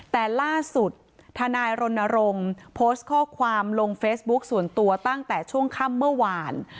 แต่ล่าสุดธนายรณรงค์โพสต์ข้อความลงเฟซบุ๊คส่วนตัวตั้งแต่ช่วงค่ำเมื่อวาน